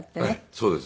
そうです。